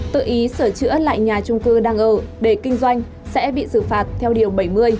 tự ý sửa chữa lại nhà trung cư đang ở để kinh doanh sẽ bị xử phạt theo điều bảy mươi